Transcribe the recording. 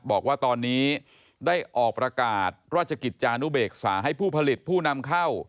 บอกว่าตอนนี้ได้ออกประกาศราชกิจจานุเบกษาให้ผู้ผลิตผู้นำเข้า